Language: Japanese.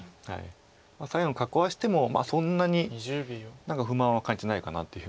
左辺を囲わしてもそんなに何か不満は感じないかなっていう。